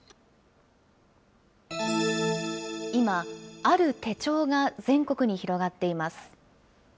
今、ある手帳が全国に広がっています。